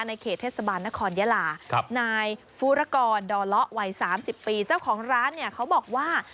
เขตเทศบาลนครยาลานายฟูรกรดอเลาะวัย๓๐ปีเจ้าของร้านเนี่ยเขาบอกว่า